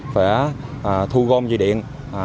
phải thu gom dây điện